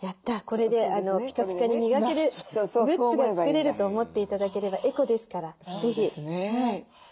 これでピカピカに磨けるグッズが作れる」と思って頂ければエコですから是非。